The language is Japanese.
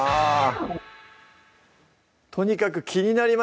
とにかく気になります！